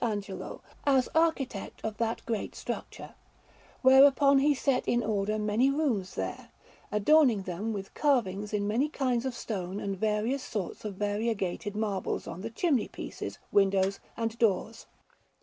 Angelo, as architect of that great structure; whereupon he set in order many rooms there, adorning them with carvings in many kinds of stone and various sorts of variegated marbles on the chimney pieces, windows, and doors.